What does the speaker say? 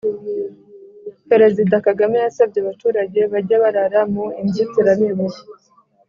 Perezida Kagame yasabye abaturejye bajye barara mu inzitiramibu